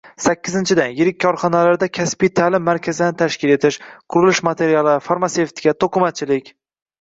Sakkizinchidan, yirik korxonalarda kasbiy ta’lim markazlarini tashkil etish, qurilish materiallari, farmasevtika, to‘qimachilik